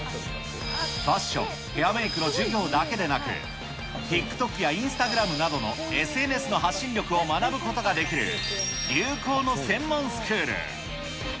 ファッション、ヘアメークの授業だけでなく、ＴｉｋＴｏｋやインスタグラムなどのＳＮＳの発信力を学ぶことができる、流行の専門スクール。